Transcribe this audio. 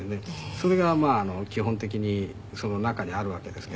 それが基本的にその中にあるわけですけど。